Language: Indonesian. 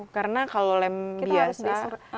karena kalau lem biasa